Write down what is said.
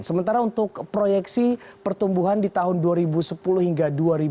sementara untuk proyeksi pertumbuhan di tahun dua ribu sepuluh hingga dua ribu dua puluh